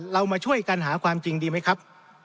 เรามาช่วยกันหาความจริงดีไหมครับ